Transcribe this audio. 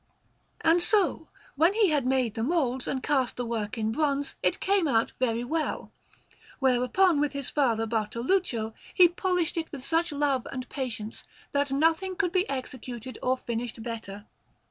And so, when he had made the moulds and cast the work in bronze, it came out very well; whereupon, with his father Bartoluccio, he polished it with such love and patience that nothing could be executed or finished better.